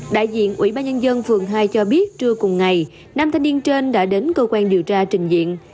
đại diện ủy ban nhân dân phường hai cho biết trưa cùng ngày năm thanh niên trên đã đến cơ quan điều tra trình diện